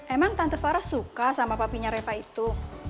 emang tante farah suka sama papinya reva itu